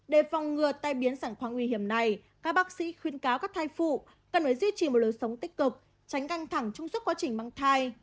để phòng ngừa tai biến sản khoang nguy hiểm này các bác sĩ khuyên cáo các thai phụ cần phải duy trì một lối sống tích cực tránh căng thẳng trong suốt quá trình mang thai